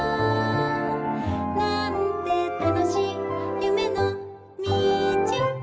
「なんてたのしいゆめのみち」